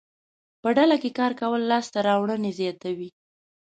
په ډله کې کار کول لاسته راوړنې زیاتوي.